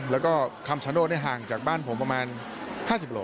แล้วก็คำชโนธห่างจากบ้านผมประมาณ๕๐โล